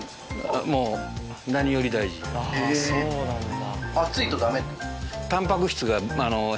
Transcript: ああそうなんだ。